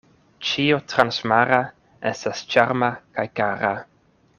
Ĉio transmara estas ĉarma kaj kara.